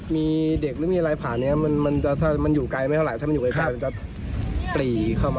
มีเด็กหรือมีอะไรผ่านนี้มันจะถ้ามันอยู่ไกลไม่เท่าไหร่ถ้ามันอยู่ไกลมันจะปรีเข้ามา